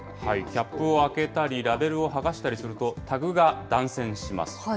キャップを開けたり、ラベルを剥がしたりすると、タグが断線します。